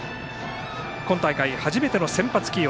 今大会初めての先発起用。